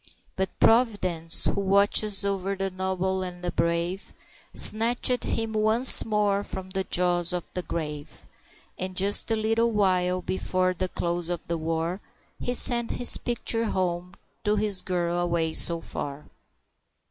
But Providence, who watches o'er the noble and the brave, Snatched him once more from the jaws of the grave; And just a little while before the close of the war, He sent his picture home to his girl away so far.